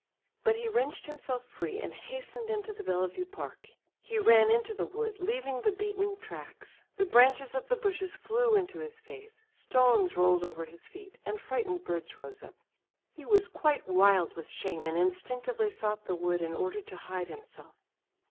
But he wrenched himself free and hastened into the Bellevue Park. He ran into the wood leaving the beaten tracks. The branches of the bushes flew into his face, stones rolled over his feet, and frightened birds rose up. He was quite wild with shame, and instinctively sought the wood in order to hide himself.